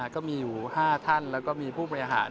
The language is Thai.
ก็มีอยู่๕ท่านแล้วก็มีผู้บริหาร